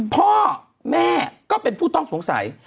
พ่อแม่ก็เป็นผู้ต้องสงสัย